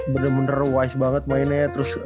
bener bener ken dipengaruhin ternak banget mainnya